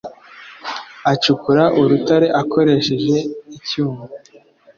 acukura urutare akoresheje icyuma,